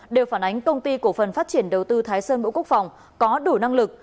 đều phản ánh công ty cổ phần phát triển đầu tư thái sơn bộ quốc phòng có đủ năng lực